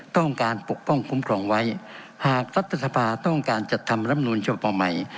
ต้องการปกป้องคุ้มครองไว้หากรัฐธรรพาต้องการจัดทำรัฐธรรมนูญเฉพาะใหม่